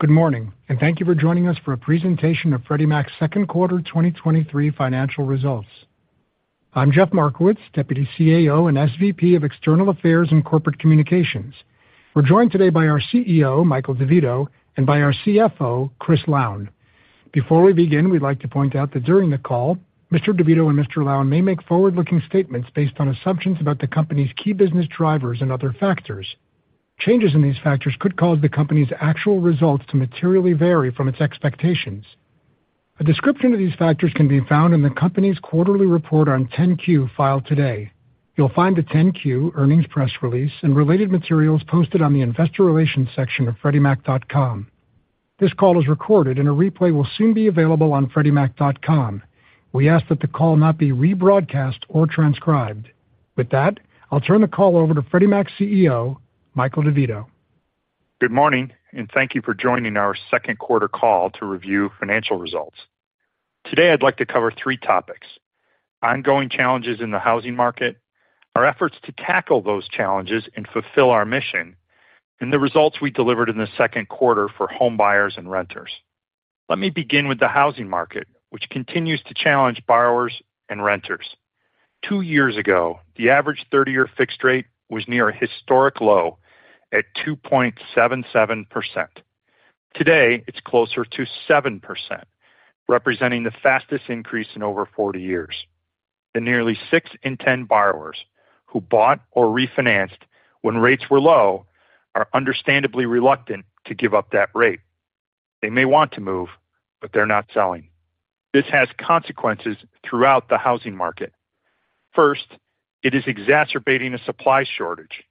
Good morning, thank you for joining us for a presentation of Freddie Mac's Second Quarter 2023 financial results. I'm Jeff Markowitz, Deputy CEO and SVP of External Affairs and Corporate Communications. We're joined today by our CEO, Michael DeVito, and by our CFO, Christian Lown. Before we begin, we'd like to point out that during the call, Mr. DeVito and Mr. Lown may make forward-looking statements based on assumptions about the company's key business drivers and other factors. Changes in these factors could cause the company's actual results to materially vary from its expectations. A description of these factors can be found in the company's quarterly report on Form 10-Q filed today. You'll find the Form 10-Q, earnings press release, and related materials posted on the Investor Relations section of freddiemac.com. This call is recorded, and a replay will soon be available on freddiemac.com. We ask that the call not be rebroadcast or transcribed. With that, I'll turn the call over to Freddie Mac's CEO, Michael DeVito. Good morning, and thank you for joining our second quarter call to review financial results. Today, I'd like to cover three topics: ongoing challenges in the housing market, our efforts to tackle those challenges and fulfill our mission, and the results we delivered in the second quarter for homebuyers and renters. Let me begin with the housing market, which continues to challenge borrowers and renters. Two years ago, the average 30-year fixed rate was near a historic low at 2.77%. Today, it's closer to 7%, representing the fastest increase in over 40 years. The nearly six in 10 borrowers who bought or refinanced when rates were low are understandably reluctant to give up that rate. They may want to move, but they're not selling. This has consequences throughout the housing market. First, it is exacerbating a supply shortage.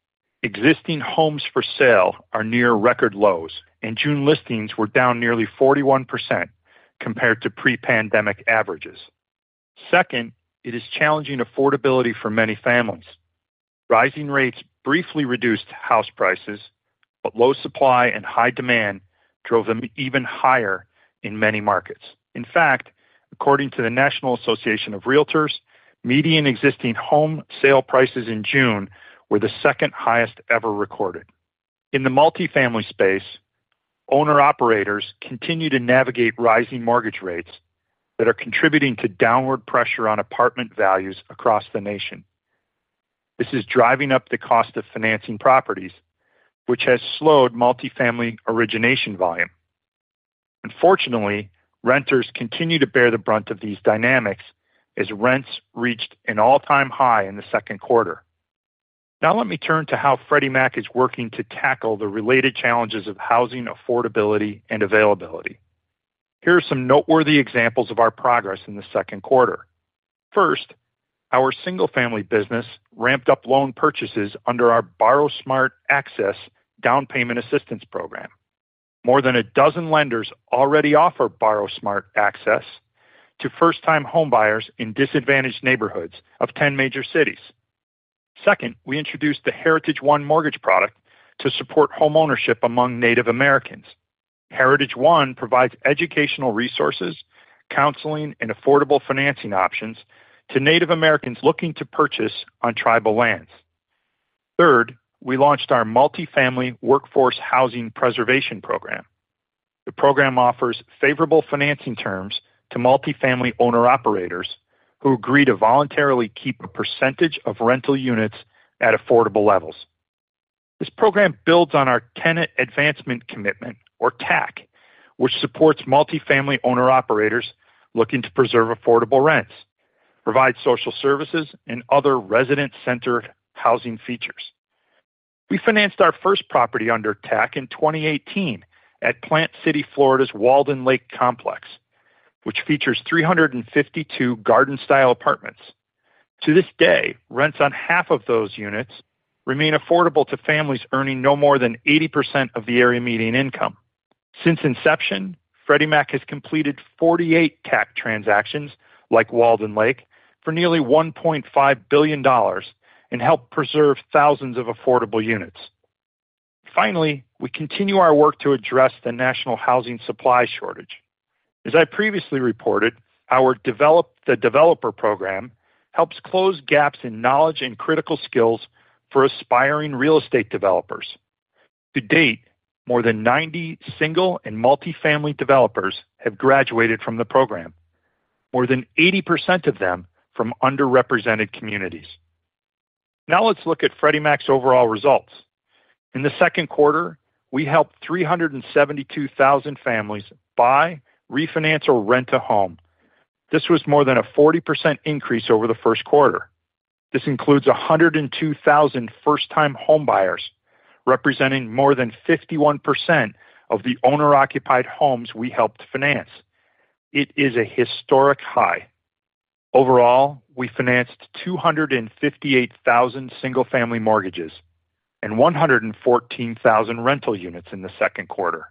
Existing homes for sale are near record lows. June listings were down nearly 41% compared to pre-pandemic averages. Second, it is challenging affordability for many families. Rising rates briefly reduced house prices. Low supply and high demand drove them even higher in many markets. In fact, according to the National Association of REALTORS, median existing home sale prices in June were the second highest ever recorded. In the multifamily space, owner-operators continue to navigate rising mortgage rates that are contributing to downward pressure on apartment values across the nation. This is driving up the cost of financing properties, which has slowed multifamily origination volume. Unfortunately, renters continue to bear the brunt of these dynamics as rents reached an all-time high in the second quarter. Let me turn to how Freddie Mac is working to tackle the related challenges of housing affordability and availability. Here are some noteworthy examples of our progress in the second quarter. First, our single-family business ramped up loan purchases under our BorrowSmart Access down payment assistance program. More than 12 lenders already offer BorrowSmart Access to first-time homebuyers in disadvantaged neighborhoods of 10 major cities. Second, we introduced the HeritageOne mortgage product to support homeownership among Native Americans. HeritageOne provides educational resources, counseling, and affordable financing options to Native Americans looking to purchase on tribal lands. Third, we launched our Multifamily Workforce Housing Preservation program. The program offers favorable financing terms to multifamily owner-operators who agree to voluntarily keep a percentage of rental units at affordable levels. This program builds on our Tenant Advancement Commitment, or TAC, which supports multifamily owner-operators looking to preserve affordable rents, provide social services, and other resident-centered housing features. We financed our first property under TAC in 2018 at Plant City, Florida's Walden Lake Complex, which features 352 garden-style apartments. To this day, rents on half of those units remain affordable to families earning no more than 80% of the Area Median Income. Since inception, Freddie Mac has completed 48 TAC transactions, like Walden Lake, for nearly $1.5 billion and helped preserve thousands of affordable units. Finally, we continue our work to address the national housing supply shortage. As I previously reported, our Develop the Developer program helps close gaps in knowledge and critical skills for aspiring real estate developers. To date, more than 90 single and multifamily developers have graduated from the program, more than 80% of them from underrepresented communities. Let's look at Freddie Mac's overall results. In the second quarter, we helped 372,000 families buy, refinance, or rent a home. This was more than a 40% increase over the first quarter. This includes 102,000 first-time homebuyers, representing more than 51% of the owner-occupied homes we helped finance. It is a historic high. Overall, we financed 258,000 single-family mortgages and 114,000 rental units in the second quarter,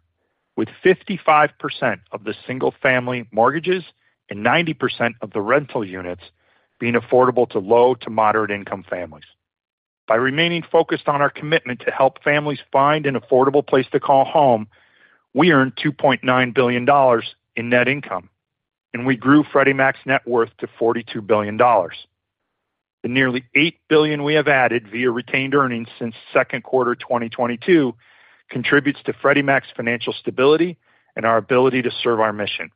with 55% of the single-family mortgages and 90% of the rental units being affordable to low to moderate-income families. By remaining focused on our commitment to help families find an affordable place to call home, we earned $2.9 billion in net income, and we grew Freddie Mac's net worth to $42 billion. The nearly $8 billion we have added via retained earnings since second quarter 2022 contributes to Freddie Mac's financial stability and our ability to serve our mission.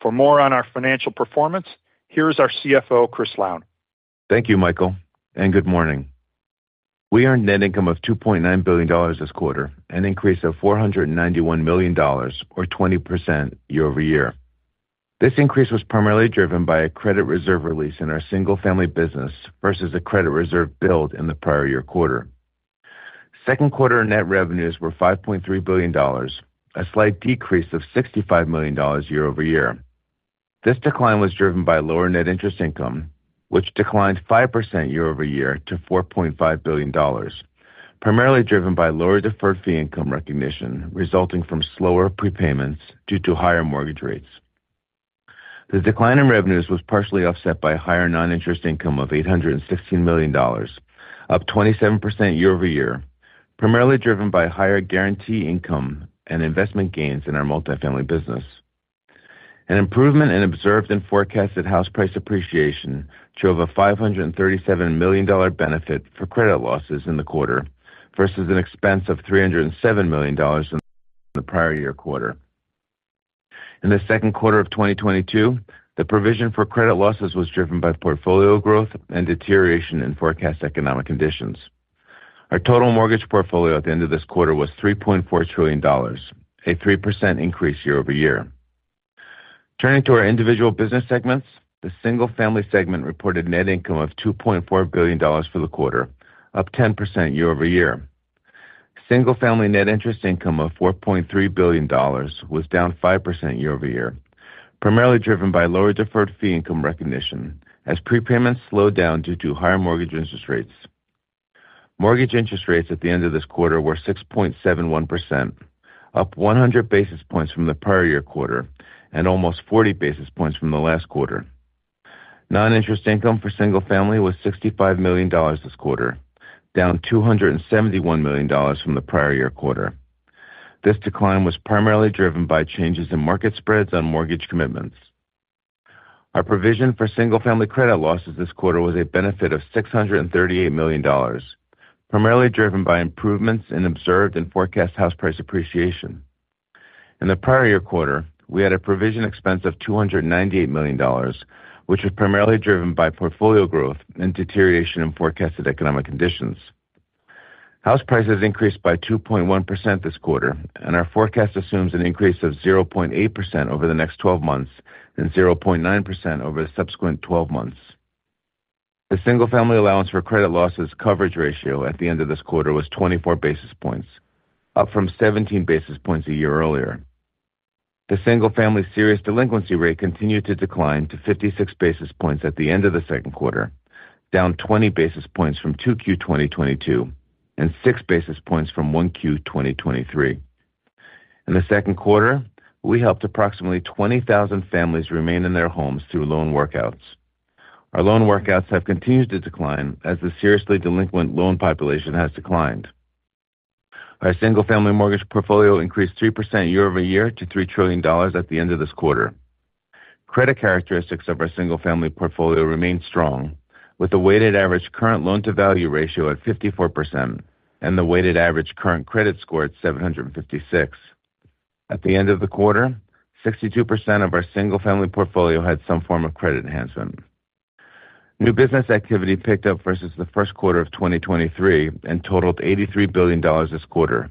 For more on our financial performance, here's our CFO, Chris Lown. Thank you, Michael, and good morning. We earned net income of $2.9 billion this quarter, an increase of $491 million or 20% year-over-year. This increase was primarily driven by a credit reserve release in our single-family business versus a credit reserve build in the prior year quarter. Second quarter net revenues were $5.3 billion, a slight decrease of $65 million year-over-year. This decline was driven by lower net interest income, which declined 5% year-over-year to $4.5 billion, primarily driven by lower deferred fee income recognition, resulting from slower prepayments due to higher mortgage rates. The decline in revenues was partially offset by higher non-interest income of $816 million, up 27% year-over-year, primarily driven by higher guarantee income and investment gains in our multifamily business. An improvement in observed and forecasted house price appreciation drove a $537 million benefit for credit losses in the quarter versus an expense of $307 million in the prior year quarter. In the second quarter of 2022, the provision for credit losses was driven by portfolio growth and deterioration in forecast economic conditions. Our total mortgage portfolio at the end of this quarter was $3.4 trillion, a 3% increase year-over-year. The single-family segment reported net income of $2.4 billion for the quarter, up 10% year-over-year. Single-family net interest income of $4.3 billion was down 5% year-over-year, primarily driven by lower deferred fee income recognition as prepayments slowed down due to higher mortgage interest rates. Mortgage interest rates at the end of this quarter were 6.71%, up 100 basis points from the prior year quarter and almost 40 basis points from the last quarter. Non-interest income for single-family was $65 million this quarter, down $271 million from the prior year quarter. This decline was primarily driven by changes in market spreads on mortgage commitments. Our provision for single-family credit losses this quarter was a benefit of $638 million, primarily driven by improvements in observed and forecast house price appreciation. In the prior year quarter, we had a provision expense of $298 million, which was primarily driven by portfolio growth and deterioration in forecasted economic conditions. House prices increased by 2.1% this quarter, and our forecast assumes an increase of 0.8% over the next 12 months and 0.9% over the subsequent 12 months. The single-family allowance for credit losses coverage ratio at the end of this quarter was 24 basis points, up from 17 basis points a year earlier. The single-family serious delinquency rate continued to decline to 56 basis points at the end of the second quarter, down 20 basis points from 2Q 2022 and 6 basis points from 1Q 2023. In the second quarter, we helped approximately 20,000 families remain in their homes through loan workouts. Our loan workouts have continued to decline as the seriously delinquent loan population has declined. Our single-family mortgage portfolio increased 3% year-over-year to $3 trillion at the end of this quarter. Credit characteristics of our single-family portfolio remained strong, with a weighted average current loan-to-value ratio at 54% and the weighted average current credit score at 756. At the end of the quarter, 62% of our single-family portfolio had some form of credit enhancement. New business activity picked up versus the first quarter of 2023 and totaled $83 billion this quarter,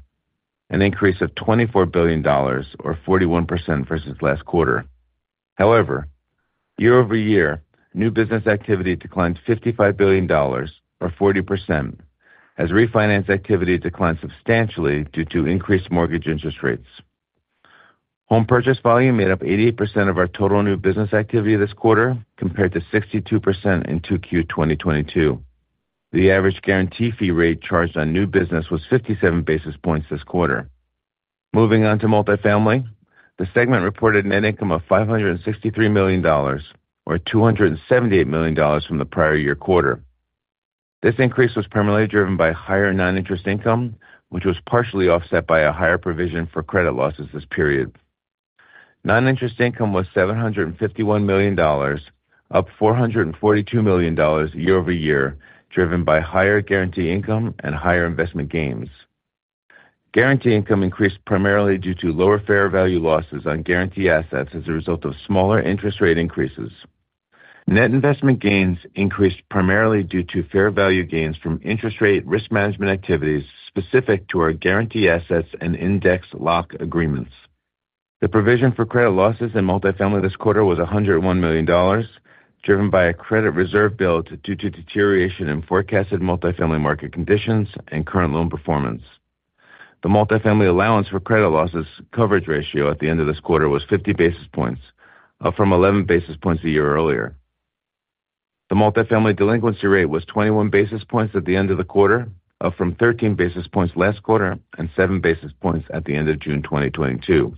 an increase of $24 billion or 41% versus last quarter. However, year-over-year, new business activity declined $55 billion or 40% as refinance activity declined substantially due to increased mortgage interest rates. Home purchase volume made up 88% of our total new business activity this quarter, compared to 62% in 2Q 2022. The average guarantee fee rate charged on new business was 57 basis points this quarter. Moving on to multifamily, the segment reported net income of $563 million, or $278 million from the prior year quarter. This increase was primarily driven by higher non-interest income, which was partially offset by a higher provision for credit losses this period. Non-interest income was $751 million, up $442 million year-over-year, driven by higher guarantee income and higher investment gains. Guarantee income increased primarily due to lower fair value losses on guarantee assets as a result of smaller interest rate increases. Net investment gains increased primarily due to fair value gains from interest rate risk management activities specific to our guarantee assets and Index Lock Agreements. The provision for credit losses in multifamily this quarter was $101 million, driven by a credit reserve build due to deterioration in forecasted multifamily market conditions and current loan performance. The multifamily allowance for credit losses coverage ratio at the end of this quarter was 50 basis points, up from 11 basis points a year earlier. The multifamily delinquency rate was 21 basis points at the end of the quarter, up from 13 basis points last quarter and 7 basis points at the end of June 2022.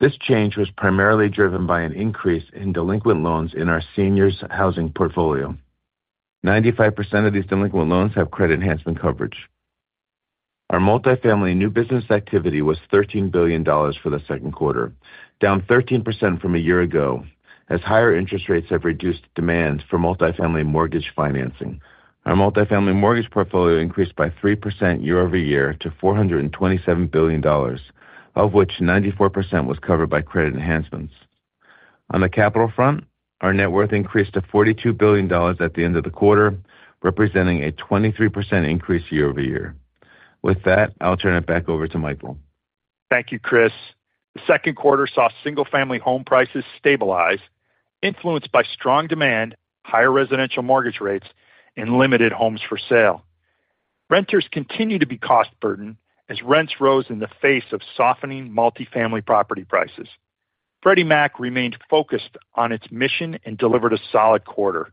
This change was primarily driven by an increase in delinquent loans in our seniors housing portfolio. 95% of these delinquent loans have credit enhancement coverage. Our multifamily new business activity was $13 billion for the second quarter, down 13% from a year ago, as higher interest rates have reduced demand for multifamily mortgage financing. Our multifamily mortgage portfolio increased by 3% year-over-year to $427 billion, of which 94% was covered by credit enhancements. On the capital front, our net worth increased to $42 billion at the end of the quarter, representing a 23% increase year-over-year. With that, I'll turn it back over to Michael. Thank you, Chris. The second quarter saw single-family home prices stabilize, influenced by strong demand, higher residential mortgage rates, and limited homes for sale. Renters continued to be cost-burdened as rents rose in the face of softening multifamily property prices. Freddie Mac remained focused on its mission and delivered a solid quarter,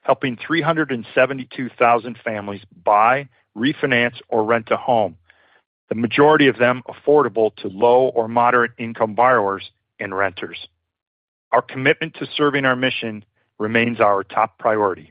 helping 372,000 families buy, refinance, or rent a home, the majority of them affordable to low or moderate-income borrowers and renters. Our commitment to serving our mission remains our top priority.